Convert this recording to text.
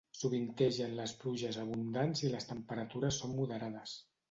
Sovintegen les pluges abundants i les temperatures són moderades.